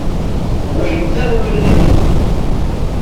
Wa yettaɣ, wa yeznuzu.